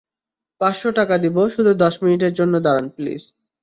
পাঁচশ টাকা দিব, শুধু দশ মিনিটের জন্য দাঁড়ান প্লীজ।